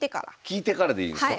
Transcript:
聞いてからでいいんですか？